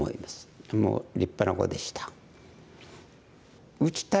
もう立派な碁でした。